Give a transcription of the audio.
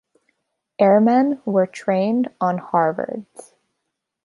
Airmen were trained on Harvards.